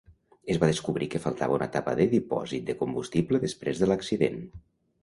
Es va descobrir que faltava una tapa de dipòsit de combustible després de l'accident.